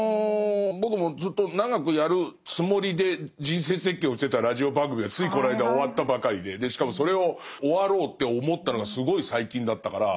僕もずっと長くやるつもりで人生設計をしてたラジオ番組がついこの間終わったばかりででしかもそれを終わろうって思ったのがすごい最近だったから。